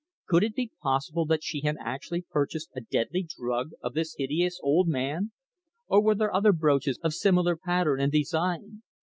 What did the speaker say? Could it be possible that she had actually purchased a deadly drug of this hideous old man? Or were there other brooches of similar pattern and design?